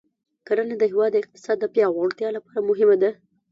کرنه د هېواد د اقتصاد د پیاوړتیا لپاره مهمه ده.